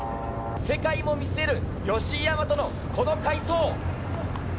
世界も見据える吉居大和のこの快走。